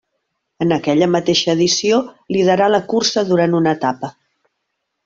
En aquella mateixa edició liderà la cursa durant una etapa.